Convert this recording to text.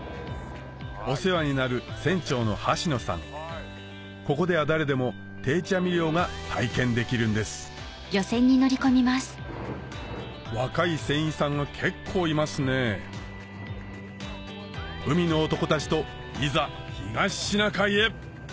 お世話になるここでは誰でも定置網漁が体験できるんです若い船員さんが結構いますね海の男たちといざ東シナ海へ！